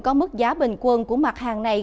có mức giá bình quân của mặt hàng này